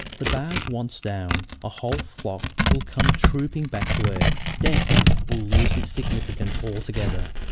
The bars once down, a whole flock will come trooping back to earth. Death will lose its significance altogether.